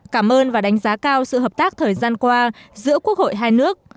cảm ơn và đánh giá cao sự hợp tác thời gian qua giữa quốc hội hai nước